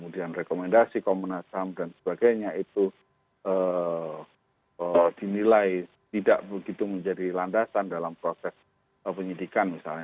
dan rekomendasi komnas ham dan sebagainya itu dinilai tidak begitu menjadi landasan dalam proses penyidikan misalnya